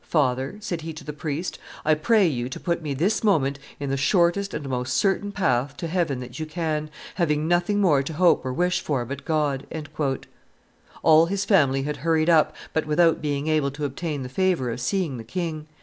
"Father," said he to the priest, "I pray you to put me this moment in the shortest and most certain path to heaven that you can, having nothing more to hope or wish for but God." All his family had hurried up, but without being able to obtain the favor of seeing the king.